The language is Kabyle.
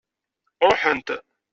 Ṛuḥent.